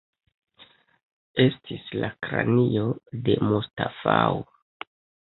Estis la kranio de Mustafao.